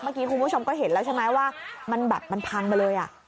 เมื่อกี้คุณผู้ชมก็เห็นแล้วใช่ไหมว่ามันแบบมันพังมาเลย